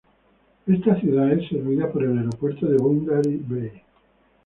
Esta ciudad es servida por el Aeropuerto de Boundary Bay.